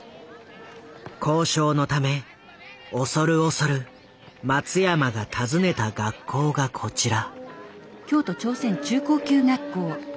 交渉のため恐る恐る松山が訪ねた学校がこちら。